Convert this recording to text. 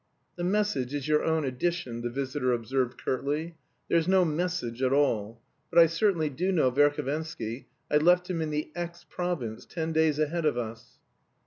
"The message is your own addition," the visitor observed curtly. "There's no message at all. But I certainly do know Verhovensky. I left him in the X. province, ten days ahead of us."